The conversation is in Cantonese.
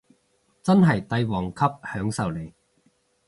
真係帝王級享受嚟